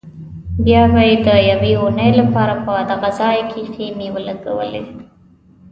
بیا به یې د یوې اونۍ لپاره په دغه ځای کې خیمې ولګولې.